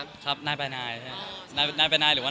ครับนายไปนายใช่ไหม